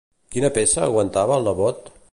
Quina peça aguantava el nebot?